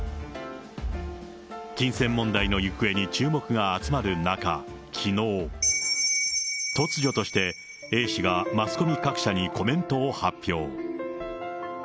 金銭問題の行方に注目が集まる中、きのう、突如としてＡ氏がマスコミ各社にコメントを発表。